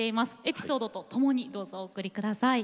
エピソードと共にどうぞお送り下さい。